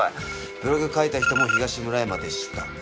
ブログ書いた人も東村山でした。